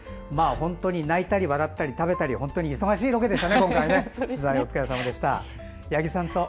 泣いたり笑ったり食べたり本当に忙しいロケでしたね。